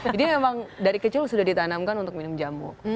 jadi memang dari kecil sudah ditanamkan untuk minum jamu